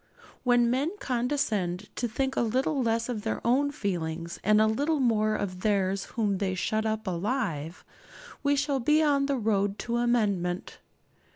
When men condescend to think a little less of their own feelings, and a little more of theirs whom they shut up alive, we shall be on the road to amendment.